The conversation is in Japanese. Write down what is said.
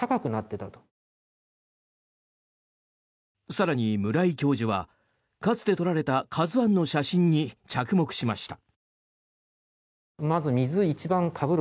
更に、村井教授はかつて撮られた「ＫＡＺＵ１」の写真に着目しました。